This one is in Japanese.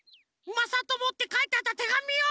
まさとも」ってかいてあったてがみを！